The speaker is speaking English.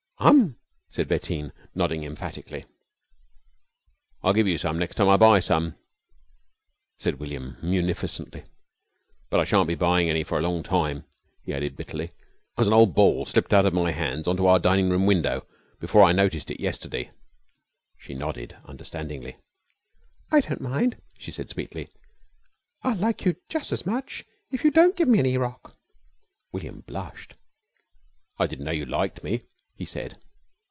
"Um," said Bettine, nodding emphatically. "I'll give you some next time I buy some," said William munificently, "but I shan't be buying any for a long time," he added bitterly, "'cause an ole ball slipped out my hands on to our dining room window before I noticed it yesterday." She nodded understandingly. "I don't mind!" she said sweetly. "I'll like you jus' as much if you don't ever give me any rock." William blushed. "I di'n't know you liked me," he said.